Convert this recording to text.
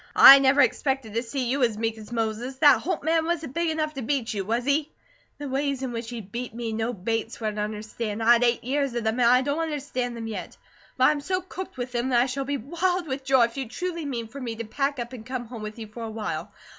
I never expected to see you as meek as Moses. That Holt man wasn't big enough to beat you, was he?" "The ways in which he 'beat' me no Bates would understand. I had eight years of them, and I don't understand them yet; but I am so cooked with them, that I shall be wild with joy if you truly mean for me to pack up and come home with you for awhile."